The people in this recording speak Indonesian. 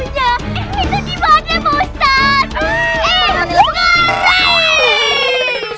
itu dimana pak ustad